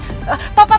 pak berhenti pak pak